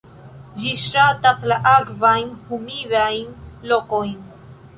Ĝi ŝatas la akvajn, humidajn lokojn.